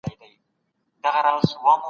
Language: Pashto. تاریخ سته.